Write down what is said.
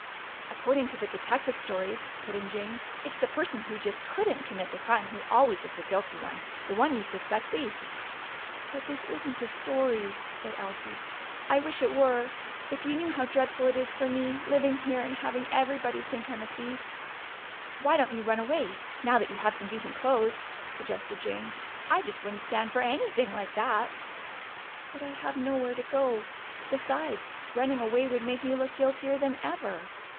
"According to the detective stories," put in Jane, "it's the person who just couldn't commit the crime who always is the guilty one. The one you suspect least." "But this isn't a story," said Elsie. "I wish it were. If you knew how dreadful it is for me, living here and having everybody think I'm a thief!" "Why don't you run away, now that you have some decent clothes?" suggested Jane. "I just wouldn't stand for anything like that!" "But I have nowhere to go. Besides, running away would make me look guiltier than ever."